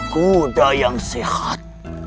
kuda yang sehat